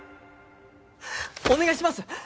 お願いします！